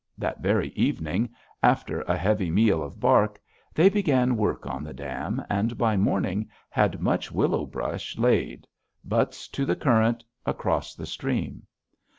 That very evening, after a heavy meal of bark, they began work on the dam, and by morning had much willow brush laid, butts to the current, across the stream.